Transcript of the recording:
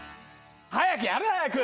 早くやれよ早く！